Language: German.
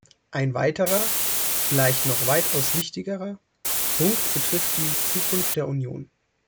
Ein weiterer, vielleicht noch weitaus wichtigerer Punkt betrifft die Zukunft der Union.